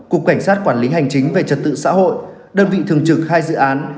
cục cảnh sát quản lý hành chính về trật tự xã hội đơn vị thường trực hai dự án